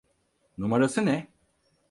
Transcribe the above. Numarası ne?